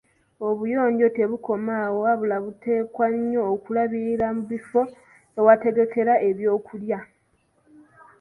Obuyonjo tebukoma awo wabula buteekwa nnyo okulabikira mu kifo awategekerwa ebyokulya.